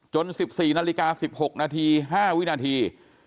๑๔นาฬิกา๑๖นาที๕วินาที